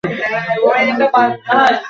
আমার গুরপ্রিট খুব সুন্দর।